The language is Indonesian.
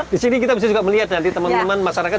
di sini kita bisa juga melihat nanti teman teman masyarakat